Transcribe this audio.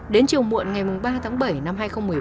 đến chiều muộn ngày ba tháng bảy năm hai nghìn một mươi ba